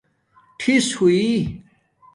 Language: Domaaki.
ٹھس ہویئئ